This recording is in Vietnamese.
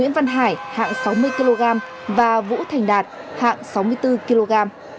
hạng sáu mươi kg và vũ thành đạt hạng sáu mươi bốn kg